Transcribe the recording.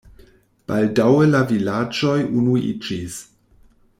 Baldaŭe la vilaĝoj unuiĝis.